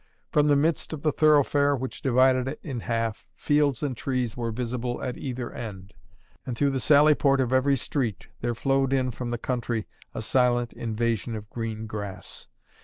From the midst of the thoroughfare which divided it in half, fields and trees were visible at either end; and through the sally port of every street, there flowed in from the country a silent invasion of green grass.